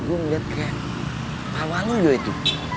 gue ngeliat kayak malu malu itu